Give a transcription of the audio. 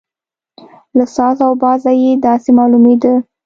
له ساز او بازه یې داسې معلومېدل.